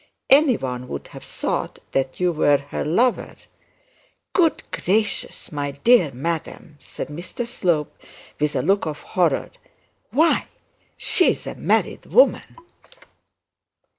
Any one would have thought that you were her lover.' 'Good gracious, my dear madam,' said Mr Slope, with a look of horror. 'Why, she is a married woman.'